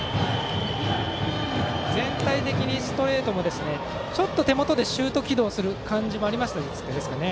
全体的にストレートも手元でシュート軌道する感じもありますかね。